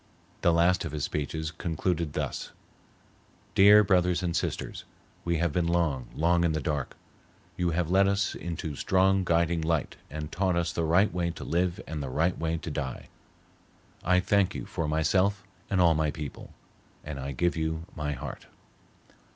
The last of his speeches concluded thus: "Dear Brothers and Sisters, we have been long, long in the dark. You have led us into strong guiding light and taught us the right way to live and the right way to die. I thank you for myself and all my people, and I give you my heart."